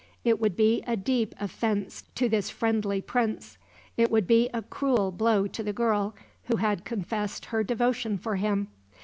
It would be a deep offense to this friendly prince. It would be a cruel blow to the girl, who had confessed her devotion for him.